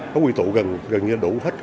có quy tụ gần như là đủ hết